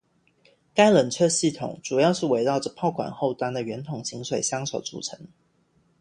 该冷却系统主要是围绕着炮管后端的圆筒形水箱所组成。